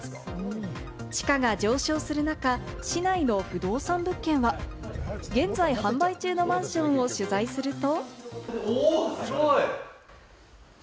地価が上昇する中、市内の不動産物件は、現在販売中のマンションを取材すると。